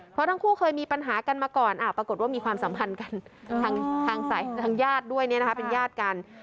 เพราะทั้งคู่เคยมีปัญหากันมาก่อนอ่าปรากฏว่ามีความสำคัญกันทางใส่ทางญาติด้วยเนี่ยนะคะเป็นญาติกัน